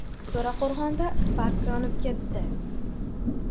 To‘raqo‘rg‘onda "Spark" yonib ketdi